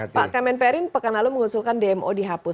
pak kemen perin pekan lalu mengusulkan dmo dihapus